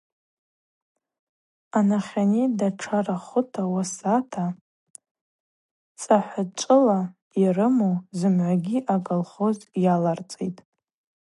Анахьани датша рахвыта, уасата, цӏахӏвачӏвыта йрыму зымгӏвагьи аколхоз йаларцӏитӏ.